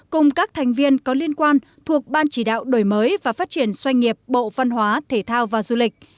cùng các thành viên có liên quan thuộc ban chỉ đạo đổi mới và phát triển xoay nghiệp bộ văn hóa thể thao và du lịch